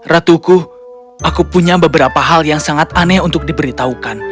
ratuku aku punya beberapa hal yang sangat aneh untuk diberitahukan